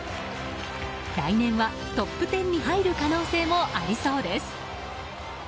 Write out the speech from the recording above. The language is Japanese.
来年はトップ１０に入る可能性もありそうです。